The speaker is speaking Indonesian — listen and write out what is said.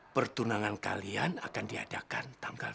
pertunangan kalian akan diadakan tanggal